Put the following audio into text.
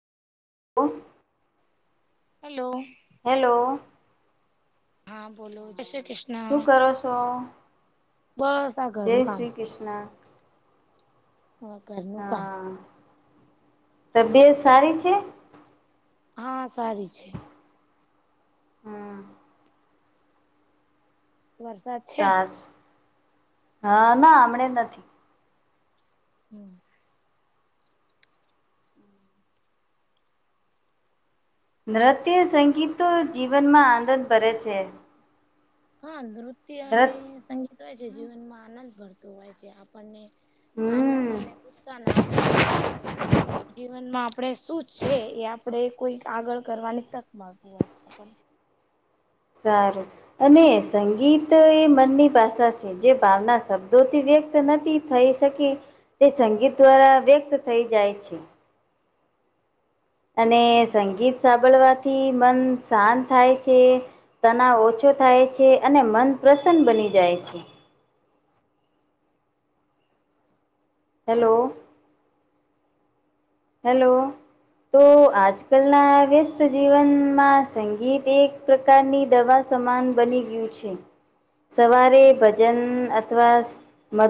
ઓહ, hello! Hello! હા, બોલો જયશ્રી શું કૃષ્ણ, કરો છો? બસ આ જય ઘરનું કામ શ્રી કૃષ્ણા! હ, ઘરનું કામ હા તબિયત સારી છે? હા, સારી છે. હા વરસાદ છે સાચ હા ના હમણાં નથી. હમ નૃત્ય સંગીતતો જીવનમાં આનંદ ભરે છે. હા નૃત્ય નૃત અને સંગીત હોય છે જીવનમાં આનંદ ભરતો હોય છે. આપ હમ આનંદ અને ઉત્સાહ આપણા જીવનમાં આપણે શું છે એ આપણેે કોઈક આગળ કરવાની તક મળશે હોય છે. પણ સારું અને સંગીત એ મનની ભાષા છે. જે ભાવના શબ્દોથી વ્યક્ત નથી થઈ શકી. તે સંગીત દ્વારા વ્યક્ત થઈ જાય છે. અને સંગીત સાંભળવાથી મન શાંત થાય છે તનાવ ઓછો થાય છે અને મન પ્રસન્ન બની જાય છે. હેલો. હેલો તો આજ કલના વ્યસ્ત જીવનમાં સંગીત એક પ્રકારની દવા સમાન બની ગયું છે. સવારે ભજન અથવા મધ